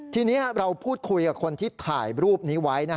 ทีนี้เราพูดคุยกับคนที่ถ่ายรูปนี้ไว้